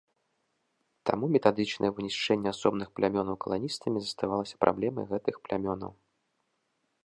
Таму метадычнае вынішчэнне асобных плямёнаў каланістамі заставалася праблемай гэтых плямёнаў.